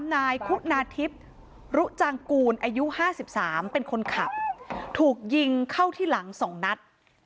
นายคุณาธิบรุจางกูลอายุห้าสิบสามเป็นคนขับถูกยิงเข้าที่หลังสองนัด